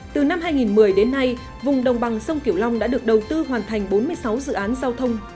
từ năm hai nghìn một mươi đến nay vùng đồng bằng sông kiểu long đã được đầu tư hoàn thành bốn mươi sáu dự án giao thông